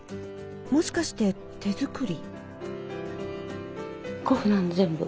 もしかして手作り？